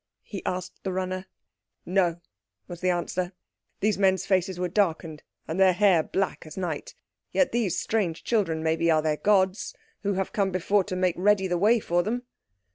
he asked the runner. "No," was the answer. "These men's faces were darkened, and their hair black as night. Yet these strange children, maybe, are their gods, who have come before to make ready the way for them."